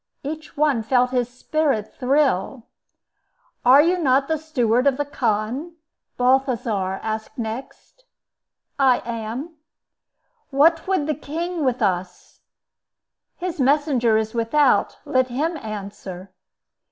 Each one felt his spirit thrill. "Are you not the steward of the khan?" Balthasar asked next. "I am." "What would the king with us?" "His messenger is without; let him answer."